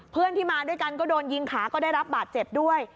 เพื่อนที่มาด้วยกันก็โดนยิงขาก็ได้รับบาดเจ็บด้วย